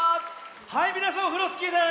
はいみなさんオフロスキーです！